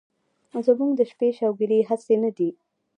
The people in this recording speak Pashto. زمونږ د شپې شوګيرې هسې نه دي